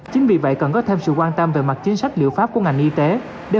chính vì vậy cần có thêm sự quan tâm về mặt chính sách liệu pháp của ngành y tế